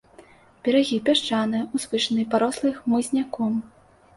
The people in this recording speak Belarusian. Берагі пясчаныя, узвышаныя, парослыя хмызняком.